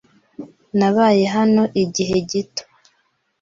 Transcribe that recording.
Nabaye hano igihe gito.